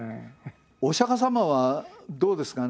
お釈迦様はどうですかね？